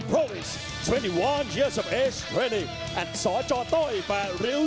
่อนบนชุดแวทของราชันแฟล์